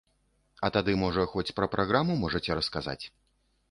А тады, можа, хоць пра праграму можаце расказаць?